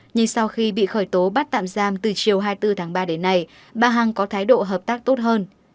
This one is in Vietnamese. nhưng sau khi bị khởi tố bắt tạm giam từ chiều hai mươi bốn tháng ba đến nay bà hằng có thái độ hợp tác tốt hơn